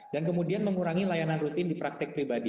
dan kemudian mengurangi layanan rutin di praktek pribadi